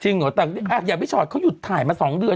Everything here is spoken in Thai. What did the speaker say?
เหรอแต่อย่างพี่ชอตเขาหยุดถ่ายมา๒เดือน